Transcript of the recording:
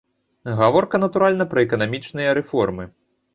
Гаворка, натуральна, пра эканамічныя рэформы.